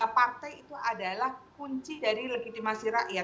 dan partai itu adalah kunci dari legitimasi rakyat